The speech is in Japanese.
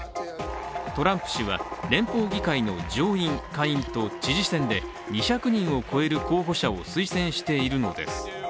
トランプ氏は連邦議会の上院・下院と知事選で２００人を超える候補者を推薦しているのです。